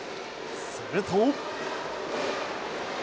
すると。